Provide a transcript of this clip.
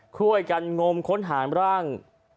ช่วยกันงมค้นหาร่าง